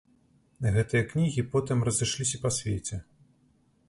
Гэтыя кнігі потым разышліся па свеце.